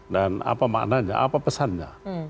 dan apa maknanya apa pesannya